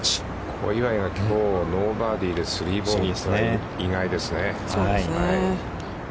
小祝がきょうノーバーディーで３ボギー、意外ですね。